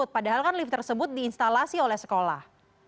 padahal lift tersebut di instalasi oleh sekolah